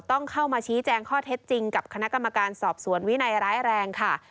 ต้องเข้ามาชี้แจงข้อเท็จจริงกับคณะกรรมการสอบสวนวินัยร้ายแรงค่ะ